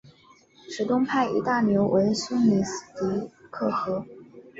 池东派一大流为苏里斯提克河。